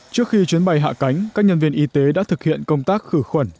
trước khi chuyến bay hạ cánh các nhân viên y tế đã thực hiện công tác khử khuẩn